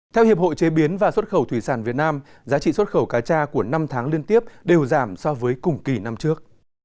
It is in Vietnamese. theo hiệp hội chế biến và xuất khẩu thủy sản việt nam giá trị xuất khẩu cá cha của năm tháng liên tiếp đều giảm so với cùng kỳ năm trước